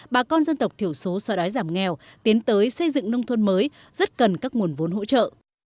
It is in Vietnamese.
bà con dân tộc thiểu số so đói giảm nghèo tiến tới xây dựng nông thôn mới rất cần các nguồn vốn hỗ trợ